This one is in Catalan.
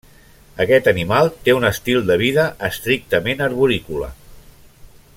Aquest animal té un estil de vida estrictament arborícola.